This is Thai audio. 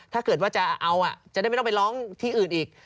ถ้าเกิดว่าจะเอาจะได้ไม่ต้องไปร้องที่อื่นอีก